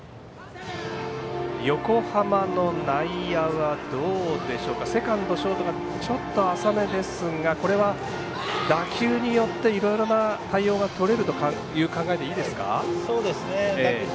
横浜の内野はセカンド、ショートがちょっと浅めですがこれが打球によっていろいろな対応がとれると考えでいいですか？